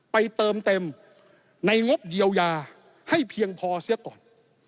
ไปเติมเต็มในงบเยียวยาให้เพียงพอเสียก่อน